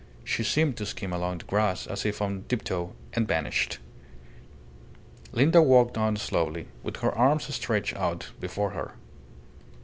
She seemed to skim along the grass as if on tiptoe, and vanished. Linda walked on slowly, with her arms stretched out before her.